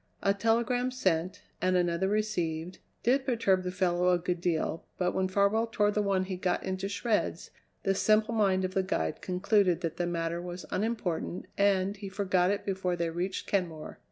A telegram sent, and another received, did perturb the fellow a good deal, but when Farwell tore the one he got into shreds, the simple mind of the guide concluded that the matter was unimportant, and he forgot it before they reached Kenmore.